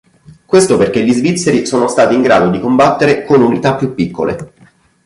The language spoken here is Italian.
Questo perché gli svizzeri sono stati in grado di combattere con unità più piccole.